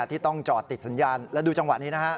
ที่ต้องจอดติดสัญญาณและดูจังหวะนี้นะฮะ